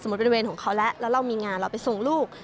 เป็นเวรของเขาแล้วแล้วเรามีงานเราไปส่งลูก